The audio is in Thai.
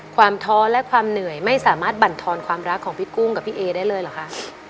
ท้อและความเหนื่อยไม่สามารถบรรทอนความรักของพี่กุ้งกับพี่เอได้เลยเหรอคะ